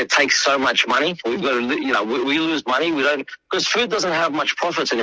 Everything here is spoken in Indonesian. tapi semua orang terlalu takut untuk menghentikannya